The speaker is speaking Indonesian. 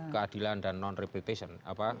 keadilan dan non reputation